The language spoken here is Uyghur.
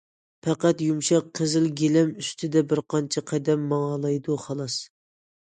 پەقەت يۇمشاق قىزىل گىلەم ئۈستىدە بىر قانچە قەدەم ماڭالايدۇ، خالاس.